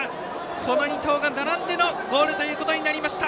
この２頭が並んでのゴールとなりました。